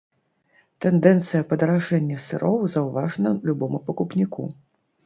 Тэндэнцыя падаражэння сыроў заўважна любому пакупніку.